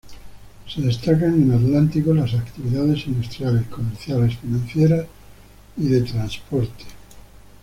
Se destacan en Atlántico las actividades industriales, comerciales, financieras y de transporte.